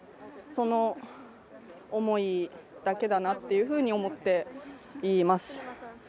その思いだけだなというふうに思っています。